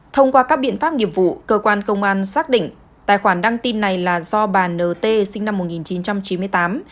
thông qua các biện pháp nghiệp vụ cơ quan công an xác định tài khoản đăng tin này là do bà nt sinh năm một nghìn chín trăm chín mươi tám